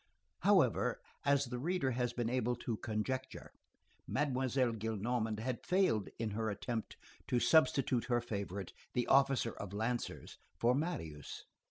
However, as the reader has been able to conjecture, Mademoiselle Gillenormand had failed in her attempt to substitute her favorite, the officer of lancers, for Marius.